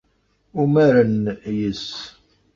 Umaren yes-s.